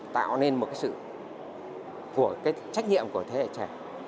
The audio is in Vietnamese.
tạo nên một cái sự của cái trách nhiệm của thế hệ trẻ